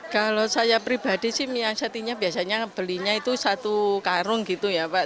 kalau saya pribadi sih menyiasatinya biasanya belinya itu satu karung gitu ya pak